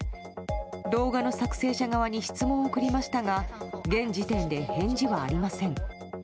動画の作成者側に質問を送りましたが、現時点で返事はありません。